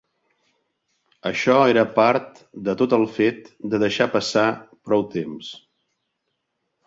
Això era part de tot el fet de deixar passar prou temps.